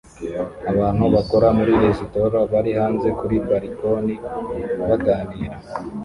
Abantu bakora muri resitora bari hanze kuri balkoni baganira